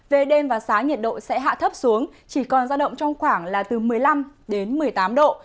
về đêm và sáng nhiệt độ sẽ hạ thấp xuống chỉ còn giao động trong khoảng là từ một mươi năm đến một mươi tám độ